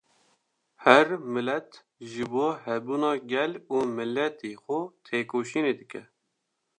Her milet ji bo hebûna gel û miletê xwe têkoşînê dike